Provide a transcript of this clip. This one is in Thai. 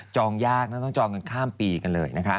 จองยากต้องจองกันข้ามปีกันเลย